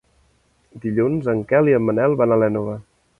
Dilluns en Quel i en Manel van a l'Énova.